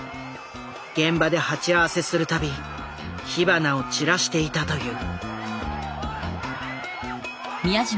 現場で鉢合わせするたび火花を散らしていたという。